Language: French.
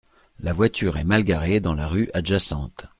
La voiture est mal garée dans la rue adjacente.